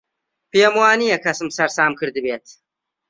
پێم وا نییە کەسم سەرسام کردبێت.